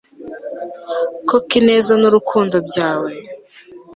r/ koko ineza n'urukundo byawe